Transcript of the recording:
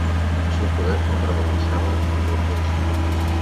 El seu poder contrabalançava el del príncep.